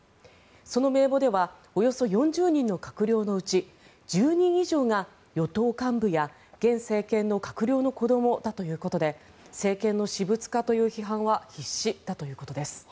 その名簿ではおよそ４０人の閣僚のうち１０人以上が与党幹部や現政権の閣僚の子どもだということで政権の私物化という批判は必至だということです。